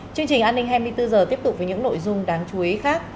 chương trình an ninh hai mươi bốn h tiếp tục với những nội dung đáng chú ý khác